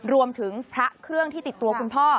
รวมถึงพระเครื่องที่ติดตัวคุณพ่อ